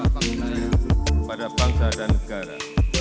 kepada bangsa dan negara